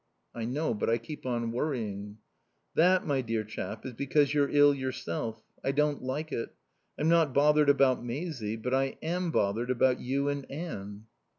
"I know, but I keep on worrying." "That, my dear chap, is because you're ill yourself. I don't like it. I'm not bothered about Maisie, but I am bothered about you and Anne."